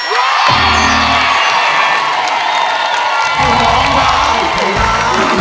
ร้องได้ให้ร้าง